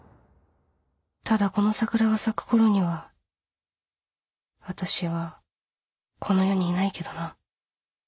ただこの桜が咲くころには私はこの世にいないけどな